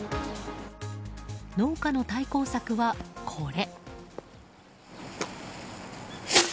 農家の対抗策は、これ。